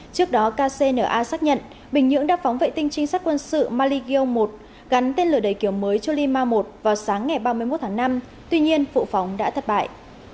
trước đó kcna xác nhận bình nhưỡng đã phóng vệ tinh trinh sát quân sự maligio một gắn tên lửa đầy kiểu mới cho lima i vào sáng ngày ba mươi một tháng năm tuy nhiên vụ phóng đã thất bại